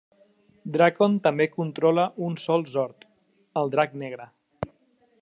Drakkon també controla un sol Zord, el Drac Negre.